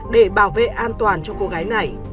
để bảo vệ an toàn cho cô gái này